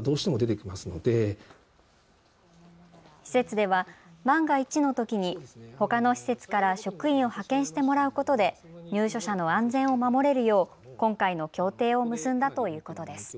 施設では万が一のときにほかの施設から職員を派遣してもらうことで入所者の安全を守れるよう今回の協定を結んだということです。